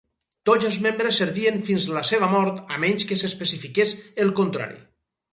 Tots els membres servien fins la seva mort, a menys que s'especifiqués el contrari.